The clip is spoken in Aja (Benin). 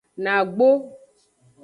Nagbo.